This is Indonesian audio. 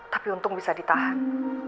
tapi untung bisa ditahan